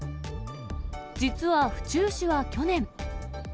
実は府中市は去年。